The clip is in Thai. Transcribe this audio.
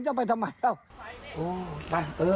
พ่อหยิบมีดมาขู่จะทำร้ายแม่